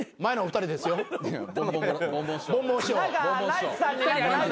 ボンボン師匠。